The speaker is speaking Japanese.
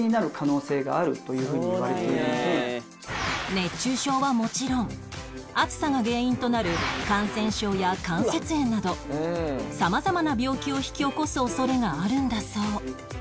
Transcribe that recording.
熱中症はもちろん暑さが原因となる感染症や関節炎など様々な病気を引き起こす恐れがあるんだそう